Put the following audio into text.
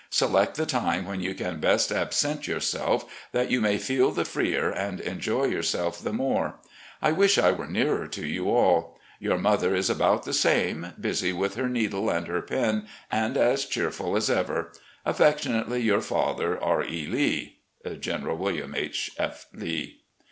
Select the time when you can best absent yourself, that you may feel the freer and enjoy yourself the more. ... I wish I were nearer to you all. ... Your mother is about the same, busy with her needle and her pen, and as cheerftd as ever. ..." Affectionately your father, R. E. Lee. "General Wm. H. F. Lee."